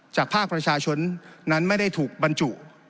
ภาคประชาชนนั้นไม่ได้ถูกบรรจุ